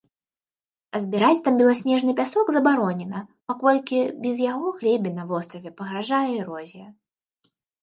А збіраць там беласнежны пясок забаронена, паколькі без яго глебе на востраве пагражае эрозія.